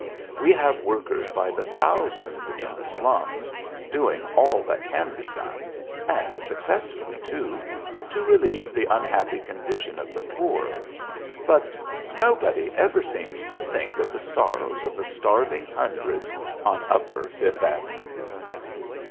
We have workers by the thousand in the slums, doing all that can be done, and successfully too, to relieve the unhappy condition of the poor, but nobody ever seems to think of the sorrows of the starving hundreds on upper Fifth Avenue."